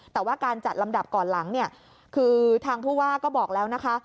แต่ว่าการจัดลำดับก่อนหลังเนี่ยคือทางผู้ว่าก็บอกแล้วนะคะ